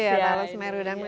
iya talas semeru